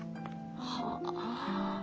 はあ。